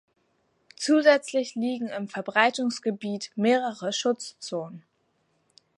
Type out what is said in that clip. Zusätzlich liegen im Verbreitungsgebiet mehrere Schutzzonen.